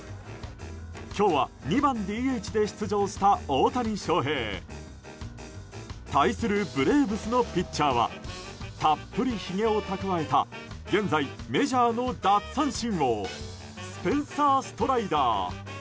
今日は２番ＤＨで出場した大谷翔平。対するブレーブスのピッチャーはたっぷり、ひげを蓄えた現在メジャーの奪三振王スペンサー・ストライダー。